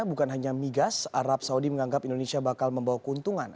bukan hanya migas arab saudi menganggap indonesia bakal membawa keuntungan